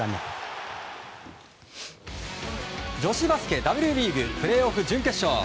女子バスケＷリーグ、プレーオフ準決勝。